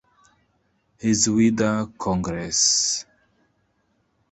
His Whither congress?